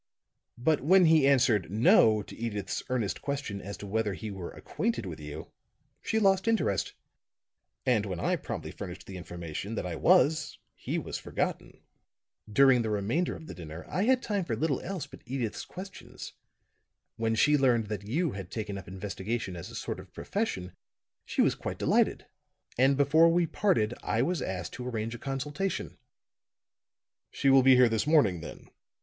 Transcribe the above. "But when he answered 'No' to Edyth's earnest question as to whether he were acquainted with you, she lost interest; and when I promptly furnished the information that I was, he was forgotten. During the remainder of the dinner I had time for little else but Edyth's questions. When she learned that you had taken up investigation as a sort of profession, she was quite delighted, and before we parted I was asked to arrange a consultation." "She will be here this morning, then?"